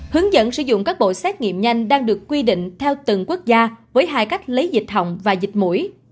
hướng dẫn sử dụng các bộ xét nghiệm nhanh đang được quy định theo từng quốc gia với hai cách lấy dịch hồng và dịch mũi